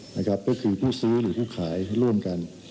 นะครับก็คือผู้ซื้อหรือผู้ขายร่วมกัน